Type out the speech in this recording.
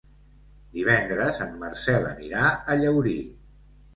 Divendres en Marcel anirà a Llaurí.